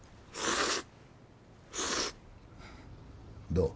どう？